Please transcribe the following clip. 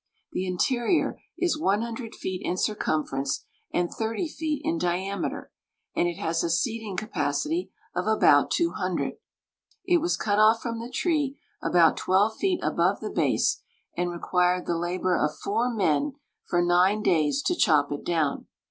The interior is 100 feet in circumference and 30 feet in diameter, and it has a seating capacity of about 200. It was cut off from the tree about 12 feet above the base, and required the labor of four men for nine days to chop it down.